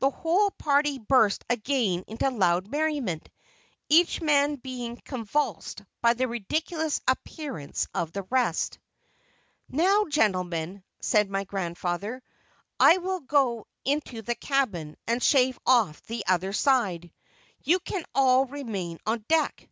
The whole party burst again into loud merriment, each man being convulsed by the ridiculous appearance of the rest. "Now, gentlemen," said my grandfather, "I will go into the cabin and shave off the other side. You can all remain on deck.